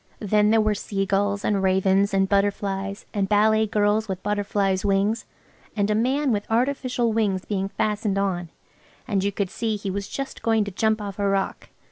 Then there were seagulls and ravens, and butterflies, and ballet girls with butterflies' wings, and a man with artificial wings being fastened on and you could see he was just going to jump off a rock.